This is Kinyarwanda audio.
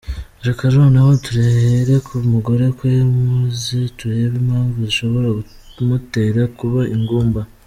Reka noneho duhere ku mugore ukwe, maze turebe impamvu zishobora kumutera kuba ingumba.